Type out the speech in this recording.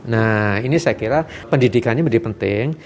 nah ini saya kira pendidikannya menjadi penting